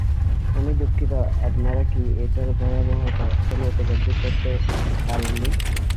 আমি দুঃখিত, আপনারা কি এটার ভয়াবহতা এখনও উপলদ্ধি করতে পারেননি?